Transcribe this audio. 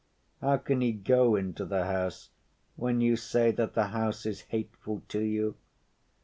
How can he go into the house when you say that the house is hateful to you?